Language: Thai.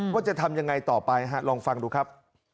ว่าจะทำยังไงต่อไปฮะลองฟังดูครับ